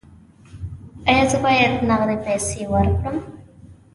ایا زه باید نغدې پیسې ورکړم؟